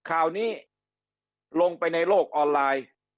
ข่าวนี้ลงไปในโลกออนไลน์